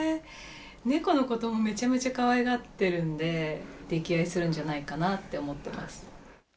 猫のこともめちゃめちゃかわいがってるんで、溺愛するんじゃないかなって思っています。